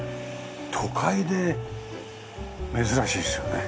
都会で珍しいですよね。